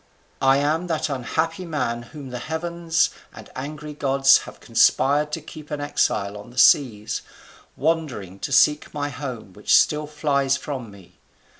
I am that unhappy man whom the heavens and angry gods have conspired to keep an exile on the seas, wandering to seek my home, which still flies from me.